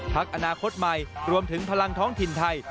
พักอนาคตใหม่รวมถึงพลังท้องถิ่นไทย